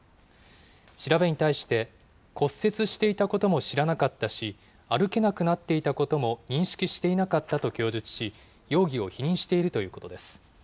調べに対して、骨折していたことも知らなかったし、歩けなくなっていたことも認識していなかったと供述し、容疑を否認しているということです。